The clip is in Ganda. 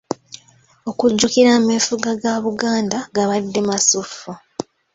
Okujjukira ameefuga ga Buganda gabadde masuffu.